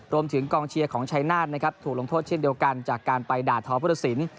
รวมถึงกองเชียร์ของชัยนาธนะครับถูกลงโทษเช่นเดียวกันจากการไปด่าทอพุทธศิลป